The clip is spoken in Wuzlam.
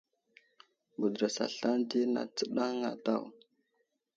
Mədərəs aslane di nat tsənaŋ a daw.